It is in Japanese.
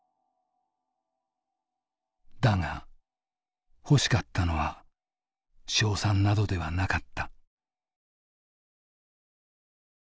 だが欲しかったのは賞賛などではなかった。